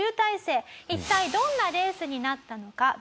一体どんなレースになったのか？